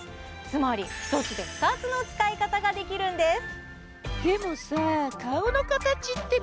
つまり一つで二つの使い方ができるんです